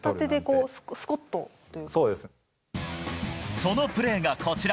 そのプレーがこちら。